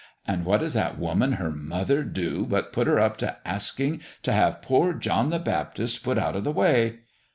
And what does that woman, her mother, do but put her up to asking to have poor John the Baptist put out of the way.